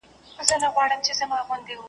مخ یې ونیوۍ د لیري وطن لورته .